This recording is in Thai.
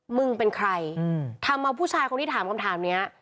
มึงเป็นใครทำเอาผู้ชายคนที่ถามคำถามเนี้ย